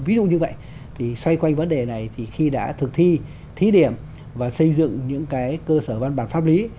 ví dụ như vậy thì xoay quanh vấn đề này thì khi đã thực thi thí điểm và xây dựng những cơ sở văn bản pháp lý